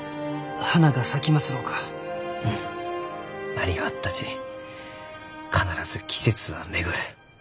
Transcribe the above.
何があったち必ず季節は巡る。